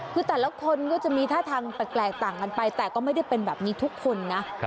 คือแต่ละคนก็จะมีท่าทางแปลกต่างกันไปแต่ก็ไม่ได้เป็นแบบนี้ทุกคนนะ